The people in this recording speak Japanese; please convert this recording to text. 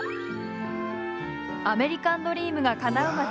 アメリカンドリームがかなう街